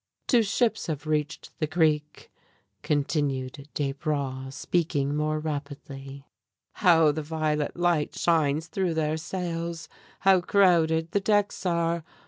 "Two ships have reached the creek," continued Desbra, speaking more rapidly. "How the violet light shines through their sails! How crowded the decks are!